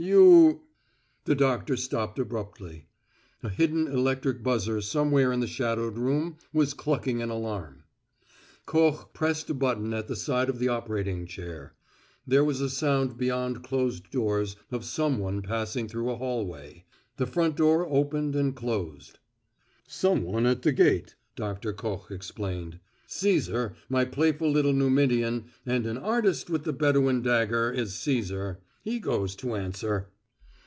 You " The doctor stopped abruptly. A hidden electric buzzer somewhere in the shadowed room was clucking an alarm. Koch pressed a button at the side of the operating chair. There was a sound beyond closed doors of some one passing through a hallway; the front door opened and closed. "Some one at the gate," Doctor Koch explained. "Cæsar, my playful little Numidian and an artist with the Bedouin dagger is Cæsar he goes to answer."